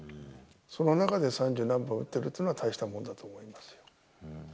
その中で三十何本打っているっていうのは大したものだと思います